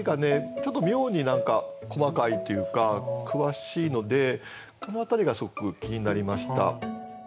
ちょっと妙に何か細かいというか詳しいのでこの辺りがすごく気になりました。